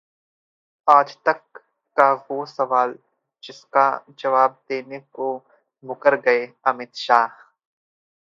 ...आजतक का वो सवाल जिसका जवाब देने से मुकर गए अमित शाह